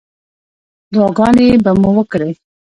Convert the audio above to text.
دعاګانې به مو وکړې.